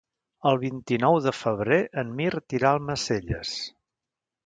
El vint-i-nou de febrer en Mirt irà a Almacelles.